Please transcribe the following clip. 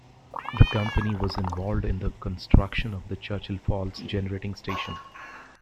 The company was involved in the construction of the Churchill Falls Generating Station.